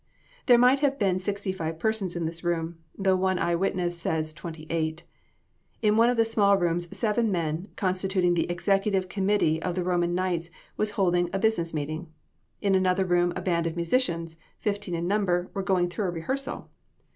There might have been sixty five persons in this room, though one witness says twenty eight. In one of the small rooms seven men, constituting the Executive Committee of the Roman Knights, was holding a business meeting. In another room a band of musicians, fifteen in number, were going through a rehearsal.